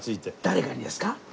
誰かにですか？